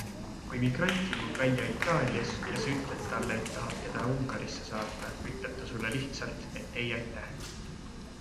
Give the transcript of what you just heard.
Kui migrant ilmub välja Itaalias ja sa ütled talle, et tahad teda Ungarisse saata, ütleb ta lihtsalt, et ei, aitäh.